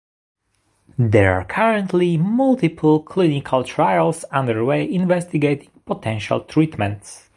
There are currently multiple clinical trials underway investigating potential treatments.